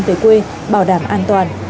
về quê bảo đảm an toàn